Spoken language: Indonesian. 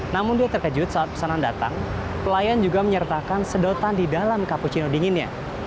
namun dia terkejut saat pesanan datang pelayan juga menyertakan sedotan di dalam cappuccino dinginnya